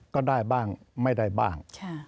ก็ได้บ้างไม่ได้บ้าง